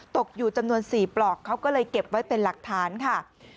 ตกอยู่จำนวน๔ปลอกเขาก็เลยเก็บไว้เป็นหลักฐานค่ะ